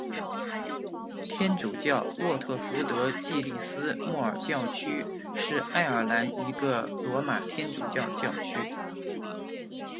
天主教沃特福德暨利斯莫尔教区是爱尔兰一个罗马天主教教区。